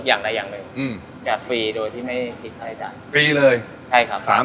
ก็เลยเริ่มต้นจากเป็นคนรักเส้น